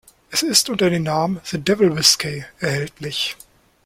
Es ist unter dem Namen "The Devil Whiskey" erhältlich.